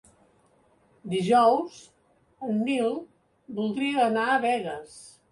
Dijous en Nil voldria anar a Begues.